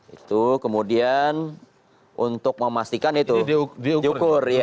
itu kemudian untuk memastikan itu diukur